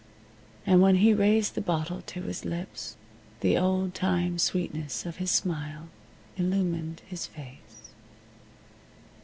And when he raised the bottle to his lips the old time sweetness of his smile illumined his face.